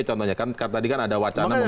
contohnya kan tadi kan ada wacana